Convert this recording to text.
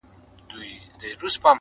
چي غل نه اوړي. مل دي واوړي.